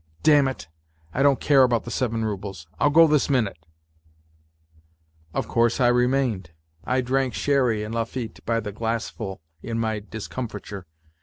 ... Damn it ! I don't care about the seven roubles. I'll go this minute !" Of course I remained. I drank sherry and Lafitte by the glassful in my discomfiture.